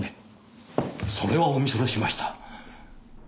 それはお見それしました。